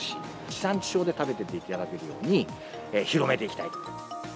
地産地消で食べていただけるように、広めていきたい。